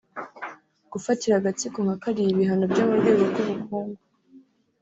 gufatira agatsiko nka kariya ibihano byo mu rwego rw’ubukungu